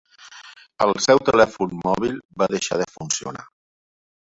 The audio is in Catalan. El seu telèfon mòbil va deixar de funcionar.